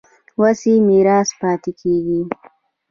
وصي میراث پاتې کېږي.